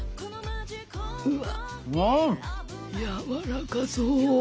うわやわらかそう。